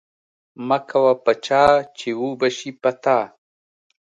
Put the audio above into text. مکوه په چا چې وبه شي په تا.